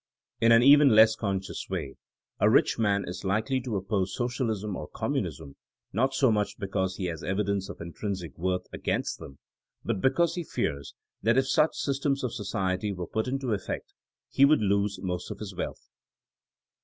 In an even less conscious way, a rich man is likely to oppose socialism or communism, not so much because he has evidence of intrinsic worth against them, but because he fears that if such systems of society were put into effect he would lose most of his wealth.